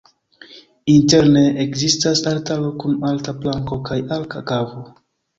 Interne, ekzistas altaro kun alta planko kaj arka kavo.